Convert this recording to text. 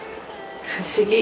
不思議。